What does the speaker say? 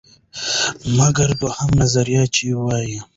مګر دویمه نظریه، چې وایي: